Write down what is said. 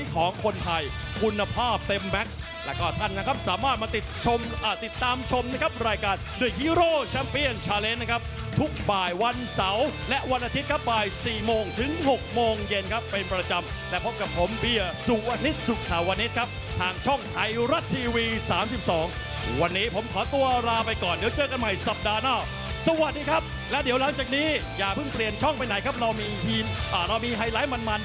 กระยับกลับมาก็ยังจะเสียบซ้ายล็อกไหน